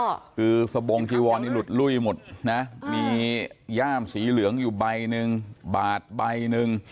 ก็คือสบงจีวอนนี่หลุดลุ้ยหมดนะมีย่ามสีเหลืองอยู่ใบหนึ่งบาทใบหนึ่ง